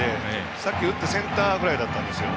さっき打ってセンターフライだったんですよ。